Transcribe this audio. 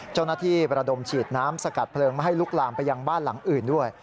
เจ้าหน้าที่ประดมฉีดน้ำสกัดเพลิงไม่ให้ลุกลามไปยังบ้านหลังอื่นด้วย